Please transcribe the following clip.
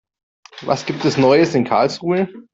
Was gibt es Neues in Karlsruhe?